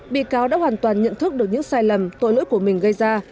bị cáo đã hoàn toàn nhận thức được những sai lầm tội lỗi của mình gây ra